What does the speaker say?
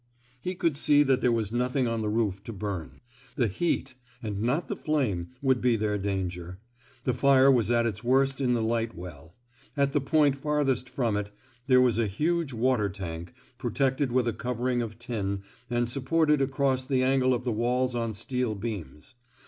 He could see that there was nothing on the roof to bum; the heat and not the flame would be their danger. The fire was at its worst in the light well. At the point far thest from it, there was a huge water tank, protected with a covering of tin and sup ported across the angle of the walls on steel beams.